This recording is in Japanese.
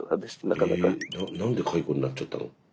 え何で解雇になっちゃったの？